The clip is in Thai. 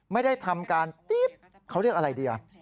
ไม่ได้ทำการติ๊บเขาเรียกอะไรดี